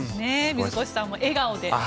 水越さんも笑顔で。